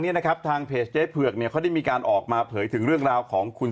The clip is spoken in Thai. เนี่ยนะครับทางเพจเจ๊เผือกเนี่ยเขาได้มีการออกมาเผยถึงเรื่องราวของคุณ